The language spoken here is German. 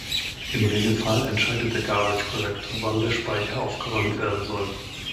Im Regelfall entscheidet der Garbage Collector, wann der Speicher aufgeräumt werden soll.